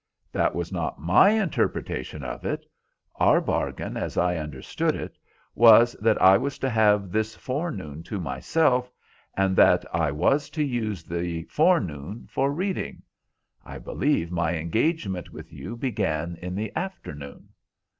"That was not my interpretation of it. Our bargain, as I understood it, was that I was to have this forenoon to myself, and that I was to use the forenoon for reading. I believe my engagement with you began in the afternoon."